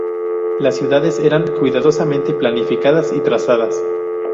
Las ciudades eran cuidadosamente planificadas y trazadas.